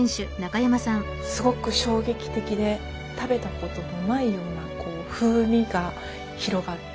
すごく衝撃的で食べたことのないような風味が広がって。